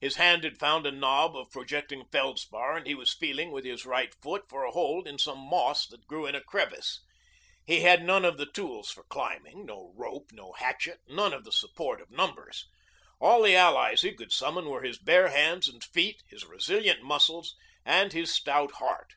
His hand had found a knob of projecting feldspar and he was feeling with his right foot for a hold in some moss that grew in a crevice. He had none of the tools for climbing no rope, no hatchet, none of the support of numbers. All the allies he could summon were his bare hands and feet, his resilient muscles, and his stout heart.